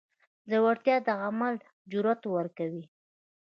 زړورتیا د عمل جرئت ورکوي.